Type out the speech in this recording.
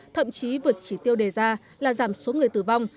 thậm chí vượt chỉ tiêu đề ra là giảm số người tử vong